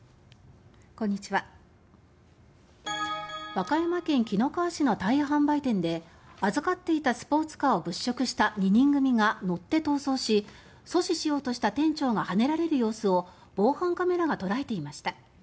和歌山県紀の川市のタイヤ販売店で預かっていたスポーツカーを物色した２人組が乗って逃走し阻止しようとした店長がはねられる様子を防犯カメラが捉えていました。